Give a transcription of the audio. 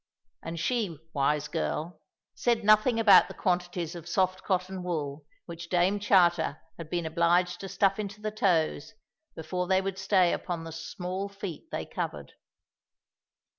And she, wise girl, said nothing about the quantities of soft cotton wool which Dame Charter had been obliged to stuff into the toes before they would stay upon the small feet they covered.